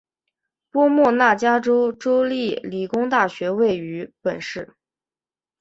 波莫纳加州州立理工大学位于本市。